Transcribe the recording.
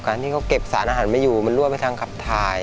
การที่เขาเก็บสารอาหารไม่อยู่มันรั่วไปทางขับถ่าย